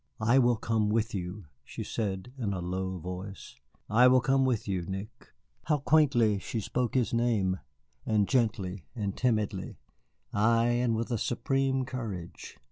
"I will come with you," she said in a low voice, "I will come with you, Nick." How quaintly she spoke his name, and gently, and timidly ay, and with a supreme courage.